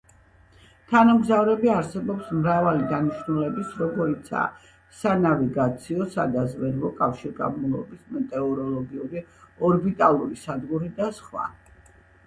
თანამგზავრები არსებობს მრავალი დანიშნულების როგორიცა: სანავიგაციო, სადაზვერვო, კავშირგაბმულობის, მეტეოროლოგიური, ორბიტალური სადგური და სხვა.